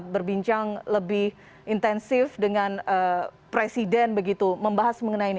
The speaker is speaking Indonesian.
berbincang lebih intensif dengan presiden begitu membahas mengenai ini